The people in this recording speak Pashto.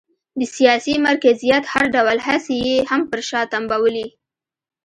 د سیاسي مرکزیت هر ډول هڅې یې هم پر شا تمبولې.